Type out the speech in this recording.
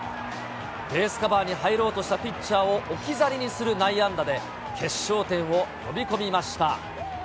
ベースカバーに入ろうとしたピッチャーを置き去りにする内野安打で、決勝点を呼び込みました。